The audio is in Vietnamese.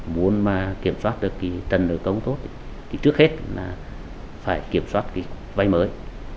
muốn kiểm soát được trần nợ công tốt trước hết phải kiểm soát vay mới